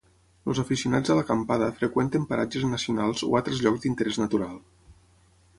Els aficionats a l'acampada freqüenten paratges nacionals o altres llocs d'interés natural.